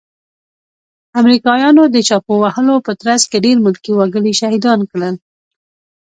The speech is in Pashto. امريکايانو د چاپو وهلو په ترڅ کې ډير ملکي وګړي شهيدان کړل.